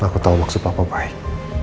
aku tau maksud papa baik